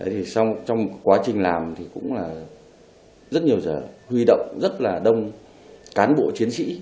thì trong quá trình làm thì cũng là rất nhiều giờ huy động rất là đông cán bộ chiến sĩ